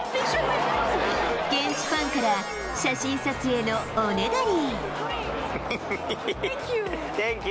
現地ファンから写真撮影のおねだり。